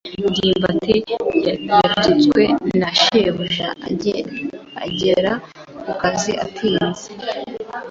ndimbati yatutswe na shebuja agera ku kazi atinze.